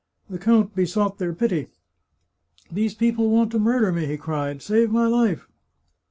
The count besought their pity. " These people want to murder me," he cried ;" save my life!"